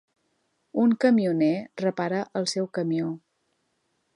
Un camioner repara el seu camió.